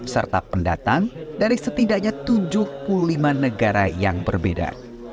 serta pendatang dari setidaknya tujuh puluh lima negara yang berbeda